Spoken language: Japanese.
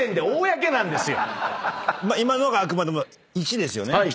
⁉今のがあくまでも１ですよね？